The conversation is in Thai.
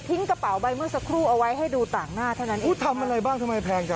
กระเป๋าใบเมื่อสักครู่เอาไว้ให้ดูต่างหน้าเท่านั้นเองอุ้ยทำอะไรบ้างทำไมแพงจัง